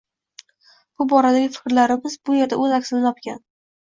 Bu boradagi fikrlarimiz bu erda o'z aksini topgan